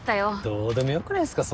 どうでも良くないっすか